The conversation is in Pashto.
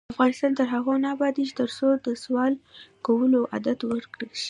افغانستان تر هغو نه ابادیږي، ترڅو د سوال کولو عادت ورک نشي.